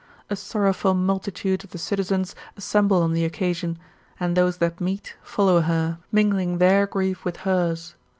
A sorrowful multi tude of the citizens assemble on the occasion ; and those that meet, follow her, mingling their grief with hers.